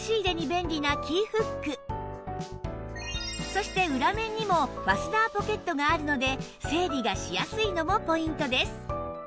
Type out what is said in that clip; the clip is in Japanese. そして裏面にもファスナーポケットがあるので整理がしやすいのもポイントです